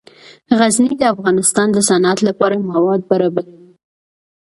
غزني د افغانستان د صنعت لپاره مواد برابروي.